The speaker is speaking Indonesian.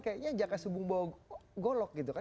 kayaknya jangan kesubung bawa golok gitu kan